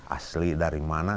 asli dari mana